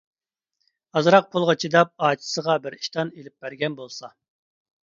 ئازراق پۇلغا چىداپ ئاچىسىغا بىر ئىشتان ئېلىپ بەرگەن بولسا.